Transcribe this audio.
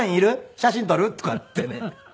写真撮る？」とかってね。